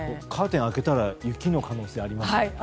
カーテンを開けたら雪の可能性がありますね。